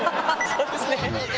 そうですね。